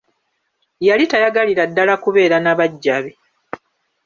Yali tayagalira ddala kubeera na baggya be.